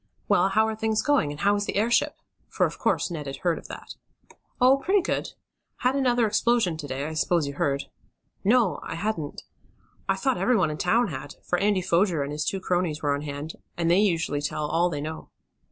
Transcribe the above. Well, how are things going; and how is the airship?" for, of course, Ned had heard of that. "Oh, pretty good. Had another explosion to day, I s'pose you heard." "No, I hadn't." "I thought everyone in town had, for Andy Foger and his two cronies were on hand, and they usually tell all they know."